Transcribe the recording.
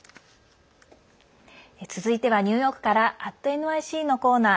続いてはニューヨークから「＠ｎｙｃ」のコーナー。